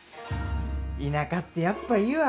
田舎ってやっぱいいわ。